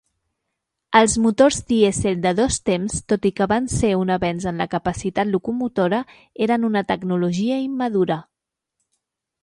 Els motors dièsel de dos temps, tot i que van ser un avenç en la capacitat locomotora, eren una tecnologia immadura.